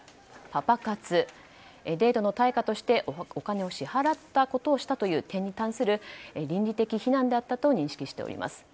パパ活、デートの対価としてお金を支払ったことをしたという点に対する倫理的非難だったと認識しています。